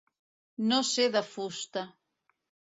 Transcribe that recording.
No ser de fusta.